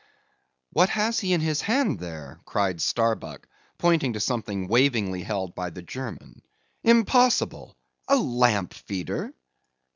"What has he in his hand there?" cried Starbuck, pointing to something wavingly held by the German. "Impossible!—a lamp feeder!"